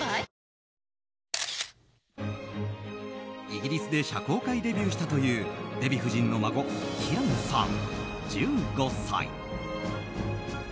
イギリスで社交界デビューしたというデヴィ夫人の孫キランさん、１５歳。